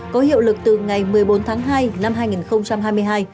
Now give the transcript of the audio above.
có hiệu lực từ ngày một mươi bốn tháng hai năm hai nghìn hai mươi hai